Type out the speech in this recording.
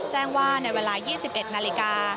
แจ้งว่าในเวลา๒๑นาฬิกา